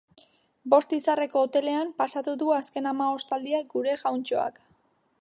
Bost izarreko hotelean pasatu du azken hamabostaldia gure jauntxoak.